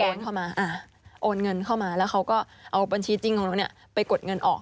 เข้ามาโอนเงินเข้ามาแล้วเขาก็เอาบัญชีจริงของเราเนี่ยไปกดเงินออก